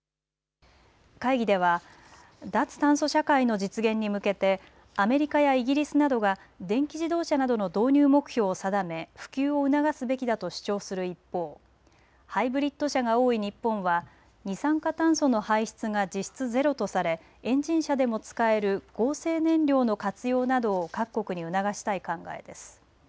会議では脱炭素社会の実現に向けてアメリカやイギリスなどが電気自動車などの導入目標を定め普及を促すべきだと主張する一方、ハイブリッド車が多い日本は二酸化炭素の排出が実質ゼロとされエンジン車でも使える合成燃料の活用などを各国に促したい考えです。